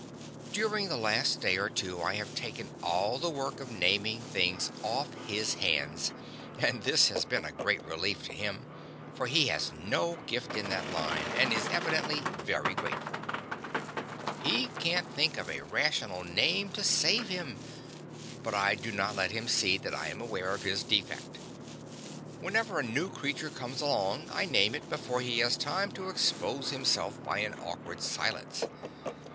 During the last day or two I have taken all the work of naming things off his hands, and this has been a great relief to him, for he has no gift in that line, and is evidently very grateful. He can't think of a rational name to save him, but I do not let him see that I am aware of his defect. Whenever a new creature comes along I name it before he has time to expose himself by an awkward silence.